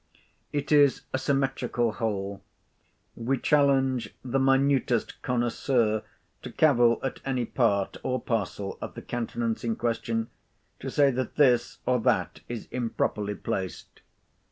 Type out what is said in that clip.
It is a symmetrical whole. We challenge the minutest connoisseur to cavil at any part or parcel of the countenance in question; to say that this, or that, is improperly placed.